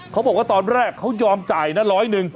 เขาบอกว่าตอนแรกเขายอมจ่ายนะร้อยหนึ่ง